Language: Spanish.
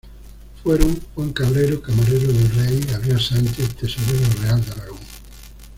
Fueron Juan Cabrero, camarero del rey y Gabriel Sánchez, Tesorero real de Aragón.